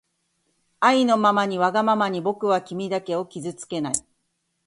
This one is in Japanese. あいのままにわがままにぼくはきみだけをきずつけない